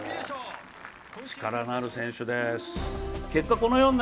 力のある選手です。